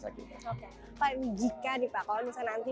pak ini jika nih pak kalau misalnya nanti